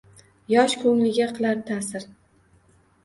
Yosh ko’ngliga qilar ta’sir